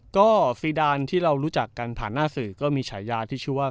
ก็ซีดานที่เรารู้จักกันผ่านหน้าสื่อก็มีฉายาที่ชื่อว่า